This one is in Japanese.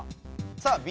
さあＢ